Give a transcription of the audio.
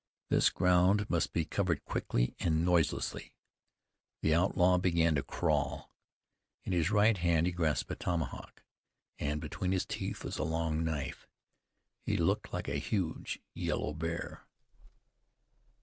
This ground must be covered quickly and noiselessly. The outlaw began to crawl. In his right hand he grasped a tomahawk, and between his teeth was a long knife. He looked like a huge, yellow bear.